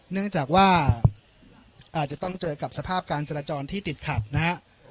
เนื่องจากว่าอาจจะต้องเจอกับสภาพการจราจรที่ติดขัดนะฮะ